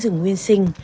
tránh rừng nguyên sinh